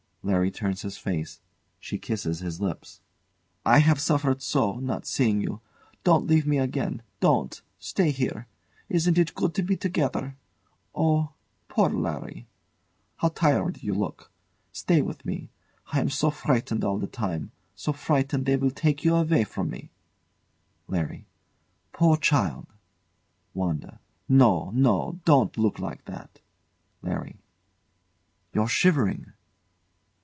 [LARRY turns his face. She kisses his lips.] I have suffered so not seein' you. Don't leave me again don't! Stay here. Isn't it good to be together? Oh! Poor Larry! How tired you look! Stay with me. I am so frightened all alone. So frightened they will take you from me. LARRY. Poor child! WANDA. No, no! Don't look like that! LARRY. You're shivering.